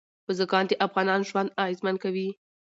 بزګان د افغانانو ژوند اغېزمن کوي.